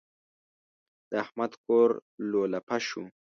د احمد کور لولپه شو.